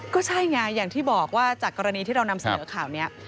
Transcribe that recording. ก็ใช่ไงอย่างที่บอกว่าจากกรณีที่เรานำเสนอข่าวนี้